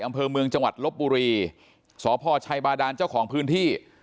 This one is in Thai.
อำเภอเมืองจังหวัดลบบุรีสพชัยบาดานเจ้าของพื้นที่